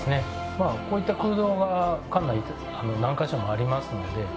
まあこういった空洞が館内何カ所もありますので。